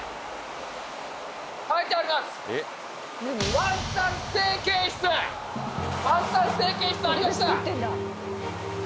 ワンタン成型室ありました！